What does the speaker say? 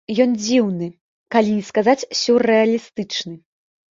Ён дзіўны, калі не сказаць сюррэалістычны.